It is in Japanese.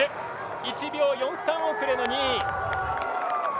１秒４３遅れの２位。